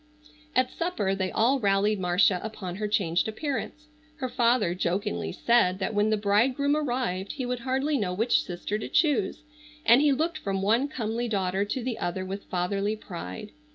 At supper they all rallied Marcia upon her changed appearance. Her father jokingly said that when the bridegroom arrived he would hardly know which sister to choose, and he looked from one comely daughter to the other with fatherly pride.